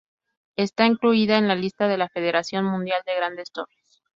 Está incluida en la lista de la Federación Mundial de Grandes Torres.